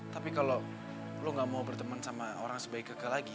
tapi kalo lo gak mau berteman sama orang sebaik gek ke lagi